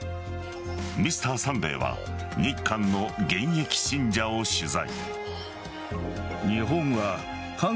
「Ｍｒ．サンデー」は日韓の現役信者を取材。